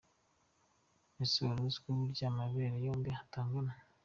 Ese wari uzi ko burya amabere yombi atangana?.